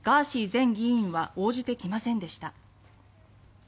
前議員は応じてきませんでした。